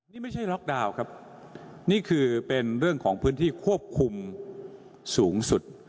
นี่ไม่ใช่ล็อกดาวน์ครับนี่คือเป็นเรื่องของพื้นที่ควบคุมสูงสุด